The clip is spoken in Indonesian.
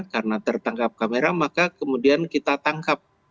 karena tertangkap kamera maka kemudian kita tangkap